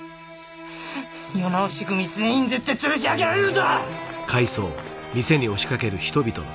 世直し組全員絶対つるし上げられるぞ！